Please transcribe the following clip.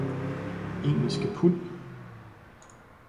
Engelske pund